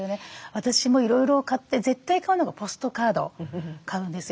私もいろいろ買って絶対買うのがポストカード買うんですよ。